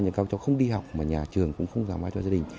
nhưng các cháu không đi học mà nhà trường cũng không giảm ai cho gia đình